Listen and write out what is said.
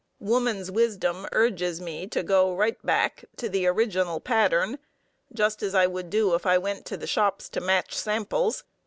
Woman's wisdom urges me to go right back to the original pattern, just as I would do if I went to the shops to match samples.